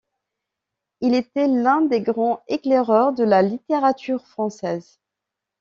Il était l'un des grands éclaireurs de la littérature française.